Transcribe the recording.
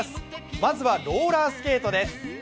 まずはローラースケートです。